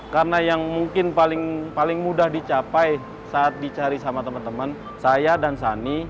karena yang mungkin paling mudah dicapai saat dicari sama teman teman saya dan sani